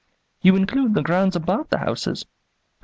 "You include the grounds about the houses?"